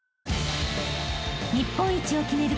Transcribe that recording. ［日本一を決める